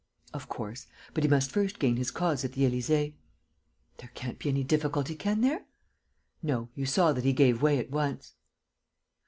"Of course. But he must first gain his cause at the Élysée." "There can't be any difficulty, can there?" "No. You saw that he gave way at once."